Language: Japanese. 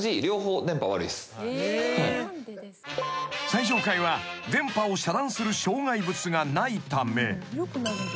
［最上階は電波を遮断する障害物がないため］